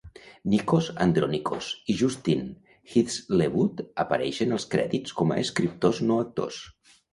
Nikos Andronicos i Justin Heazlewood apareixen als crèdits com a escriptors no actors.